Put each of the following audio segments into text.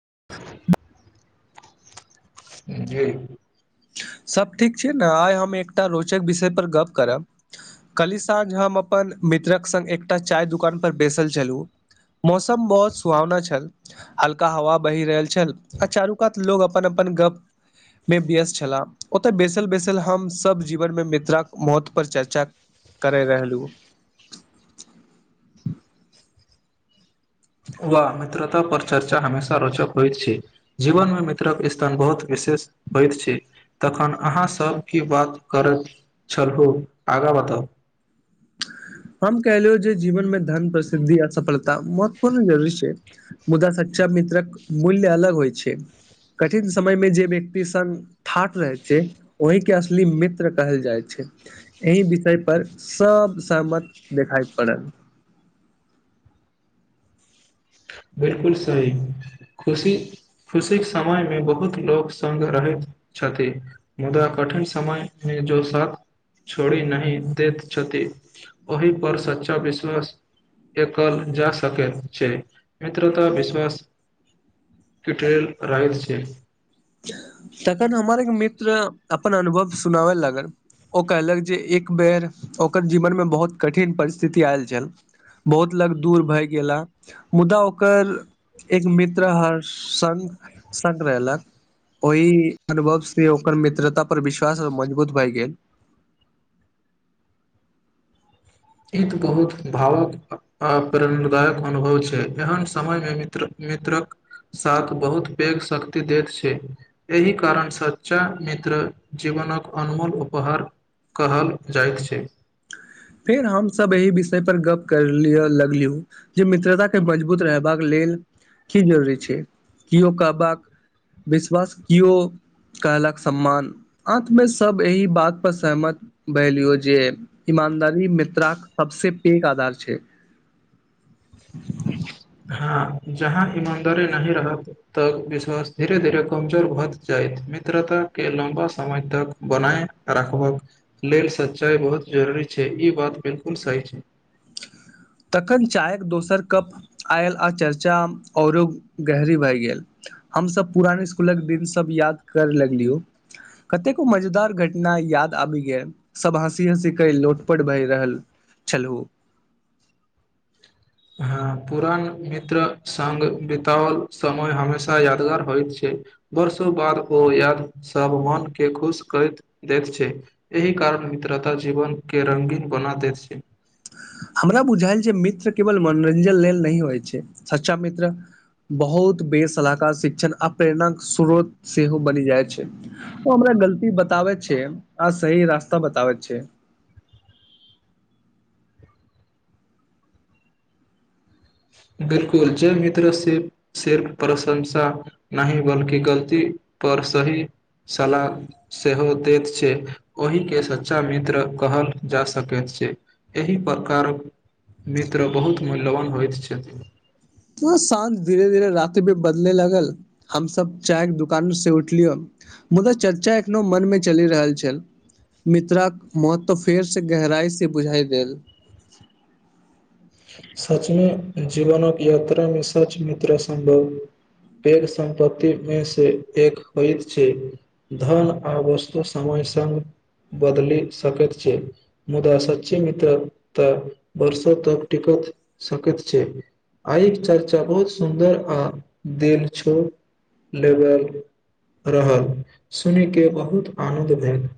[inaudible] जी सब ठीक छै ने आइ हम एकटा रोचक विषय पर गप्प करब कली साँझ हम अपन मित्रक संग एक एकटा चाय दुकान पर बैसल छलूं मौसम बहुत सुहावना छल हल्का हवा बहि रहल छल आ चारू कात लोग अपन अपन गप मे व्यस्त छला ओतऽ बैसल बैसल हम सब जीवन मे मित्राक महत्व पर चर्चा करै रहलहुँ वा मित्रता पर चर्चा हमेशा रोचक होइत छै जीवनमे मित्रक स््तान बहुत विशेष होइत छै तखन अहाँ सब की बात करैत छलहु आगा बताउ हम कहलियौ जे जीवन मे धन प्रसिद्धि आ सफलता महत्वपूर्ण जरूी छै मुदा सच्षा मित्रक मूल्य अलग होइ छै कठिन समय मे जे व्यक्ति स ठाठ रहै छै ओहि के असली मित्र कहल जाइ छै एहि विषय पर सब सहमत देखाइ पड़ल बिलकुल सही खुशी खुशीक के समय मे बहुत लोक सब रहैत छथि मुदा कठिन समय मे जो साथ छोड़ी नहिह दैत छथि ओहि पर सच्चा विश्वास एकल जा सकैत छै मित्रता विश्वास कठल राहल छै तखन हमर एक मित्र अपन अनुभव सुनाबय लगल ओ कहलक जे एक बेर ओकर जीवनमे बहुत कठिन परिस्थिति आयल छल बहुत लग दूर भए गेला मुदा ओकर एक मित्र हर संग सग रहलक ओहि अनुभव से ओकर मित्रता पर विश्वास आ मजबूत भए गेल ई तऽ बहुत भावक आ प्रेरणादायक अनुभव छै एहन समयमे मित्र मित्रक साथ बहुत पैघ शक्ति दैत छै एहि कारण सच्चा मित्र जीवनक अनमोल उपहार कहल जाइत छै फेर हमसभ एहि विषय पर गप करलिय लगलियौ जे मित्रता के मजबूत रहबाक लेल की जरूरी छै केओ कहबाक विश्वास केओ कहलक सम्मान अतमे सब एहि बात पर सहमत भेलियौ जे ईमानदारी मित्रा सबस पैघ आधार छै हँ जहाँ ईमानदारी नहि रहत तऽ विश्वास धीरे धीरे कमजोर भऽ जायत मित्रताके लम्बा समय तक बनाय राखबाक लेल सच्चाइ बहुत जरूरी छै ई बात बिलकुल सही छै तखन चायक दोसर कप आयल आ चर्चा औरो गहरी भए गेल हमसभ पुरान इसकुलक दिन सभ याद करय लगलियौ कतेको मजेदार घटना याद आबि गेल सभ हँसी हँसी क लोटपट भए रहल छलहु हँ पुरान मित्र सङ्ग बितओल समय हमेशा यादगार होइत छै वर्षो बाद ओ याद सब मन के खुश करैत दैत छै एहि कारण मित्रता जीवन के रंगीन बना दैत छै हमरा बुझायल छै मित्र केवल मनोरञ्जन लेल नहिह होइ छै सच्चा मित्र बहुत बेसलाहकार शिक्षण आ प्रेरणाक स्रोत सेहो बनि जाइ छै ओ हमरा गलती बताबैत छै आ सही रास्ता बताबैत छै बिलकुल जे मित्र सिर्फ सिर्फ प्रशंसा नहि बल्कि गलतीपर सही सलाह सेहो दैत छै ओहिके सच्चा मित्र कहल जा सकैत छै एहि प्रकारक मित्र बहुत मूल्यवान होइत छै छथि तो सान्त धीरे धीरे राति भ बदले लगल हमस चाय के दुकान से उठलियो मुदा चर्चा एखनो मन मे चलि रहल छल मिित्राक महत्व फेर से गहराइ से बुझाइ देल सचमे जीवनक यात्रा मे सच मित्र सम्भव पैघ सम्पत्ति मे से एक होइत छै धन आ वस्तु समय स्ग बदलि सकैत छै मुदा सच्ची मित्र तऽ वर्षो तक टिक सकैत छै आइ के चर्चा बहुत सुन्दर आ दिल छोड़ लेबल रहल सुनि के बहुत आनन्द भेल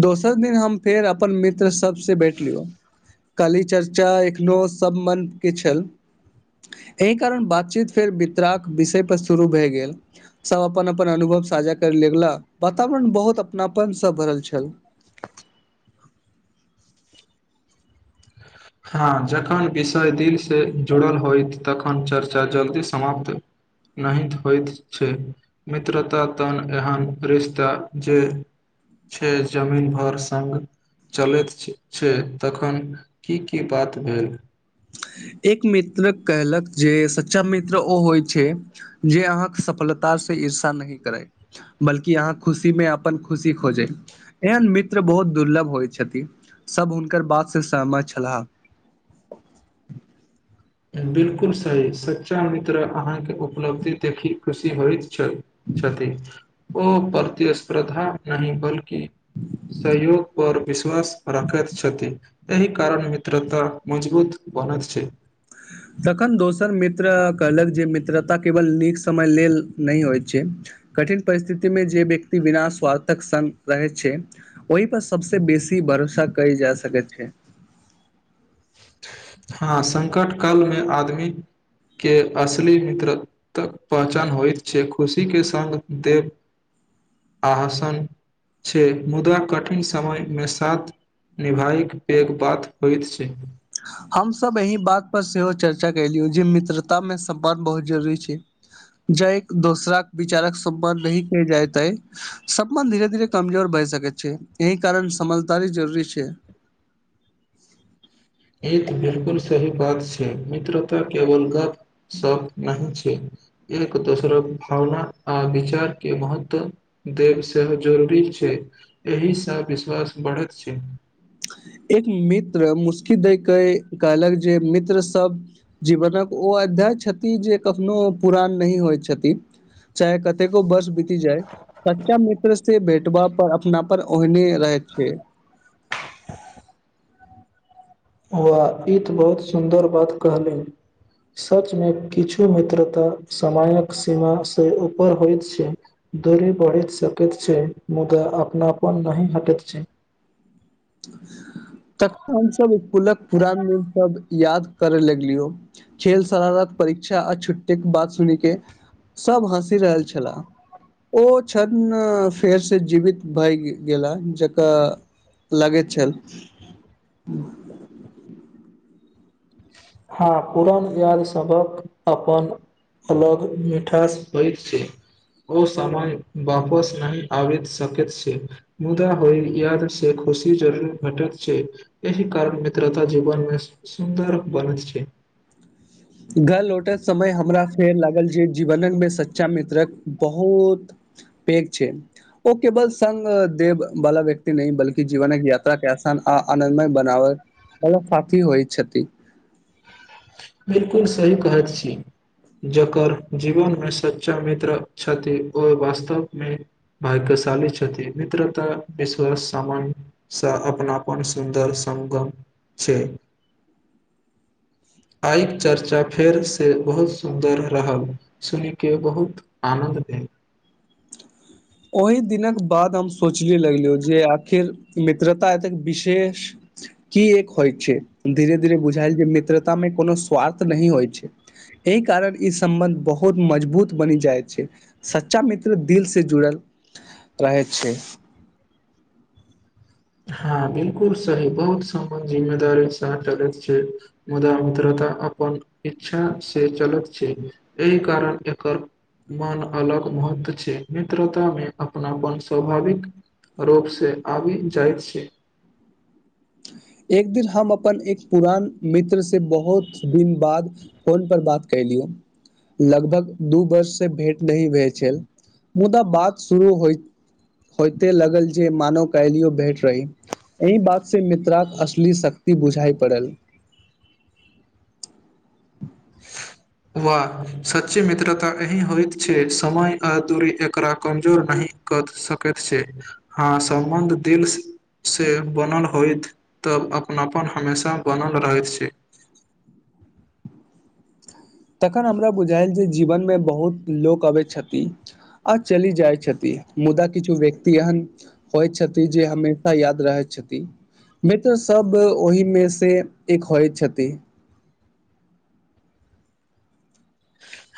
दोसर दिन हम फेर अपन मित्र सब से बैठलियो काली चर्चा एखनो सब मन के छल एहि कारण बातचीत फेर वित्राक विषय पर शुरू भय गेल सब अपन अपन अनुभव साझा कर लेगा वातावरण बहुत अपनापन से भरल छै चल हँ जखन विषय दिल से जुड़ल होइत तखन चर्चा जल्दी समाप्त न होइत छै मित्रता तन एहन रिश्ता जे छै जमीन भर सग चलैत छै तखन की की बात भेल एक मित्र कहलक जे सच्चा मित्र ओ होइ छै जे अहाँके सफलता से ईर्षा नहिह करै बल्कि अहाँ खुशीमे अपन खुशी खोजै एहन मित्र बहुत दुर्लभ होइ छथिन सब हुनकर बात से सहमत छलाह बिलकुल सही सच्चा मित्र अहाँके उपलब्धि देखि खुशी होइतत छै छथि ओ परति श्रद्धा नहि बल्कि सहयोग पर विश्वास राखैत छथि एहि कारण त तऽ मजबूत बनत छै तखन दोसर मित्र कहलक जे मित्रता केवल नीक समय लेल नहि होइत छै कठिन परिस्थितिमे जे व्यक्ति बिना स्वार्थक संग रहै छै ओहि पर सबस बेसी भरोसा कल जा सकैत छै हँ सङ्कट कालमे आदमीके असली मित्र तक पहचान होइत छै खुशीके सङ्ग देव आहसन छै मुदा कठिन समयमे साथ निभायके पैघ बात होइत छै हम सब एहि बात पर सेहो चर्चा केलियौ जे मित्रता मे सम्पन बहुत जरूरी छै ज एक दोसर विचारक सम्पान नहि क जायतै सपना धीरे धीर कमजोर भै सके छै एहिी कारण समझदारी जरूरी छै ई त बिलकुल सही बात छै मित्रता केवल गप सब नहि छै एक एक दोसरक भावना आ विचार के महत्व देब से जरूरी छै एहिसँ विश्वास बढ़ैत छै एक मित्र मुसकी दय के कहलक जे मित्र सब जीवनक ओ अध्याय छथि जे कखनो पुरान नहिही होइत छथि चाहे कतेको वर्ष जाइ सच्चा मित्रसँ से भेटबा पर अपना पर ओहने रहै छै वा ई तऽ बहुत सुन्दर बात कहलनि सचमे किछु मित्रता समयक सीमाासँ ऊपर होइत छै दूरी बढ़ैत सकैत छै मुदा अपनापन नहि हटैत छै तखन हमस इकुलक पुरान दिन सब याद करय लगलियो खेल सरारत परीक्षा आ छुट्टीक के बात सुन के सब हँसी रहल छलाह ओ कण फेर से जीवित भए गेला जकर लगैत चल हँ पुरान याद सबक अपन अलग मिठास होइत छै ओ समाय वापस नहि आबैत सकैत छै मुदा होइ याद से खुशी जरूर भेटैत छै एहि कारण मित्रता जीवन मे सुन्दर बनत छै घर लौटत समय हमरा फेर लागल जे जीवनन मे सच्चा मित्रक बहुत पैघ छै ओ केवल संग देव वाला व्यक्ति नहि बल्कि जीवनक यात्रा के आसान आ आनन्दमय बनाबय वला साथी होइत छथि बिलकुल सही कहैत छी जकर जीवनमे सच्चा मित्र छथि ओ वास्तवमे भाग्यशाली छथि मित्रता विश्वास सामानसँ अपनापन सुन्दर संगम छै आइक चर्चा फेरसे बहुत सुन्दर रहल सुनि के बहुत आनन्द भेल ओहि दिनक बाद हम सोचिए लगलू जे आखिर मित्रता एतेक विशेष कीएक होइ छै धीरे धीरे बुझायल जे मित्रतामे कोनो स्वार्थ नहि होइ छै एहि कारण ई सम्बन्ध बहुत मजबूत बनि जाइ छै सच्चा मित्र दिल से जुड़ल रहै छै हँ बिलकुल सही बहुत समान जिम्मेदारी सा चलैत छै मुदा मित्रता अपन इच्छा से चलैत छै एहि कारण एकर मन अलग महत्व छै मित्रता मे अपनापन स्वाभाविक रूप से आबि जाइत छी एक दिन हम अपन एक पुरान मित्र से बहुत दिन बाद फोन पर बात कैलियै लगभग दू वर्ष से भेंट नहि भेल छल मुदा बात शुरू होइत होइते लगल जे मानो काइलियो भेंट रही एहि बात से मित्राक असली शक्ति बुझाइ पड़ल वा सच्ची मित्रता एहि होइत छै समय आ दूरी एकरा कमजोर नहि कत सकैत छै हँ सम्बन्ध दिल से बनल होइत तब अपनापन हमेशा बनल रहैत छै तखन हमरा बुझायल जे जीवनमे बहुत लोक अबै छथि आ चली जाइत छथि मुदा किछु व्यक्ति एहन होइत छथि जे हमेशा याद रहैत छथि मित्र सब ओहिमे से एक होइत छथि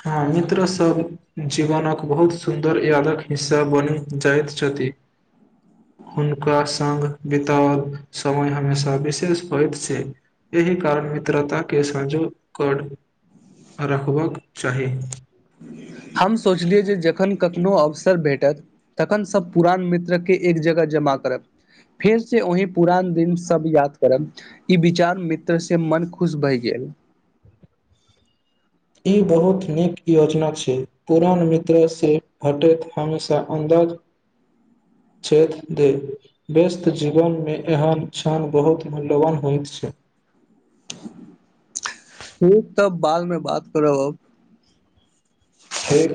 हँ मित्रसभ जीवनक बहुत सुन्दर यादक हिस्सा बनि जाइत छथि हुनका सङ्ग बिताओल समय हमेशा विशेष होइत छै एहि कारण मित्रताके संजोकर रखबाक चाही हम सोचलियै जे जखन कखनो अवसर भेटत तखन सब पुरान मित्रके एक जगह जमा करब फेरसे ओहि पुरान दिन सब याद करब ई विचार मित्र से मन खुश भहि गेल ई बहुत नीक योजना छै पुरान मित्र से हटैत हमेशा अन्दाज छथि दे व्यस्त जीवन मे एहन क्षण बहुत मूल्यवान होइत छै ठीक तब बादमे बात करब अब ठीक